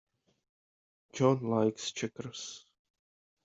John likes checkers.